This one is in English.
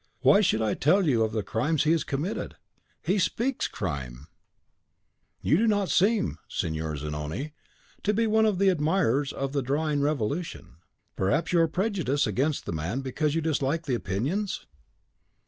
Why should I tell you of the crimes he has committed? He SPEAKS crime!" "You do not seem, Signor Zanoni, to be one of the admirers of the dawning Revolution. Perhaps you are prejudiced against the man because you dislike the opinions?"